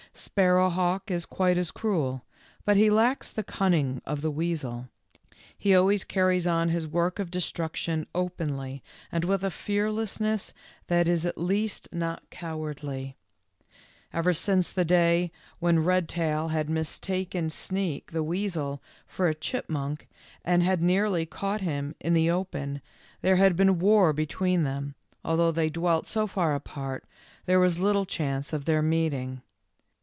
Sparrowhawk is quite as cruel, but he lacks the cunning of the weasel ; he always carries on his work of destruction openly and with a fearlessness that is at least not cowardly. Ever since the day when Redtail had mis taken Sneak, the weasel, for a chipmunk, and had nearly caught him in the open, there had been war between them, although they dwelt so far apart there was little chance of their meeting.